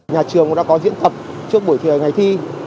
nhà trường cũng đã có diễn tập trước buổi ngày thi